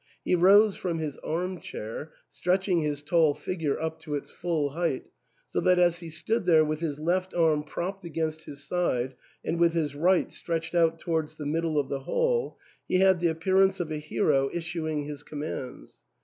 He rose from his arm chair, stretching his tall figure up to its full height, so that as he stood there with his left arm propped against his side and with his right stretched out towards the middle of the hall, he had the appearance of a hero issuing his commands.